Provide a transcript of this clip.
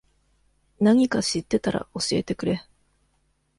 なにか知ってたら教えてくれ。